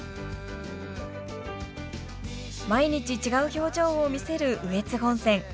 毎日違う表情を見せる羽越本線。